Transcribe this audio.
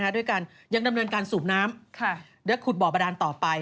ด้วยการยังดำเนินการสูบน้ำและขุดบ่อบาดานต่อไป